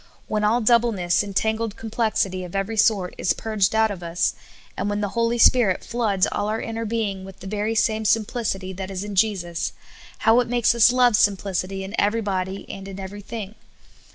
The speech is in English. When all doubleness and tangled complexit}^ of every sort is purged out of us, and when the Holy Spirit floods all our inner being with the very same simplicity that is in Jesus, how it makes us love simplic ity in everybod}^ and in everything